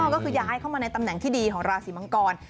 ก็คือย้ายเข้ามาในตำแหน่งที่ดีของราศีมังกร